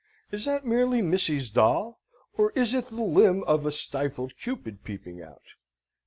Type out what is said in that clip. Is that merely Missy's doll, or is it the limb of a stifled Cupid peeping out?